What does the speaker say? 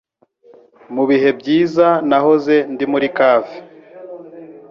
Mubihe byiza nahoze ndi muri cave